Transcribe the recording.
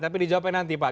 tapi dijawabkan nanti pak